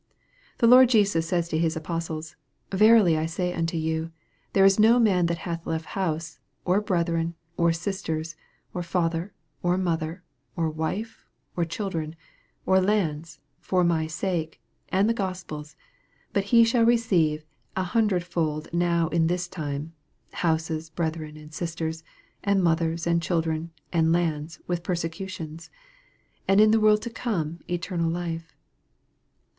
The Lord Jesus says to His apostles, " Verily I say unto you, There is no man that hath left house, or brethren, or sisters, or father, or mother, or wife, or children, or lands, for my sake, and the Gospel's, but he shall receive an hundred fold now in this time, houses, and brethren, and sisters, and mothers, and children, and lands, with persecutions ; and in the world to come eternal life."